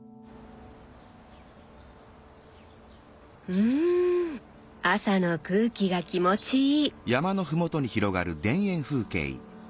うん朝の空気が気持ちいい。